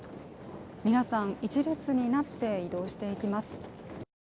皆さん一列になって移動していきます。